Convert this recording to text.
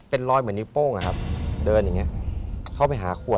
เป็นรอยเหมือนนิ้วโป้งอะครับเดินอย่างนี้เข้าไปหาขวด